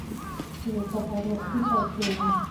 زه سهار وختی پاڅیږم